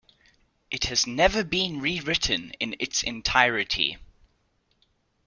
It has never been rewritten in its entirety.